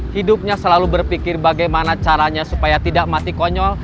hidupnya selalu berpikir bagaimana caranya supaya tidak mati konyol